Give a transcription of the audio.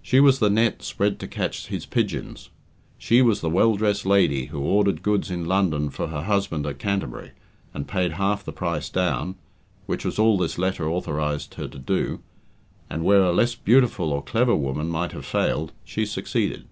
She was the net spread to catch his "pigeons"; she was the well dressed lady who ordered goods in London for her husband at Canterbury, and paid half the price down, "which was all this letter authorized her to do," and where a less beautiful or clever woman might have failed, she succeeded.